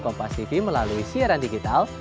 kompastv melalui siaran digital